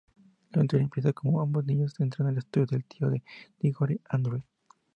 La aventura empieza cuando ambos niños entran el estudio del tío de Digory: Andrew.